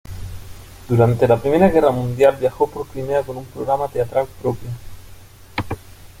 Durante la Primera Guerra Mundial viajó por Crimea con un programa teatral propio.